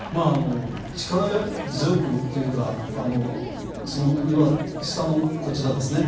力強くというか要は、下のこちらですね。